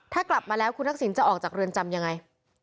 ถ้ากลับมาแล้วคุณทักษิณจะออกจากเรือนจำยังไง